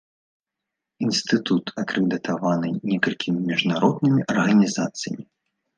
Інстытут акрэдытаваны некалькімі міжнароднымі арганізацыямі.